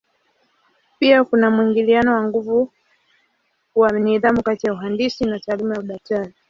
Pia kuna mwingiliano wa nguvu wa nidhamu kati ya uhandisi na taaluma ya udaktari.